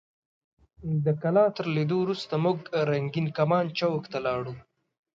د کلا تر لیدو وروسته موږ رنګین کمان چوک ته لاړو.